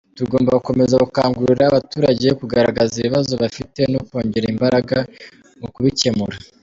Tugomba gukomeza gukangurira abaturage kugaragaza ibibazo bafite no kongera imbaraga mu kubikemura.